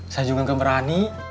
saya juga gak berani